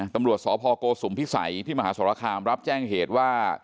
ตำรวจสพโกสุมพิสัยที่มหาสรคามรับแจ้งเหตุว่า